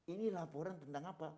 ini laporan tentang apa